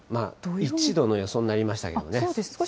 １度の予想になりましたけどね。